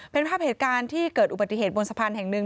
เป็นภาพเหตุการณ์ที่เกิดอุบัติเหตุบนสะพานแห่งหนึ่ง